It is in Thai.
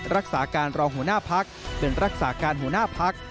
รักษาการรองหัวหน้าพักเป็นรักษาการหัวหน้าพัก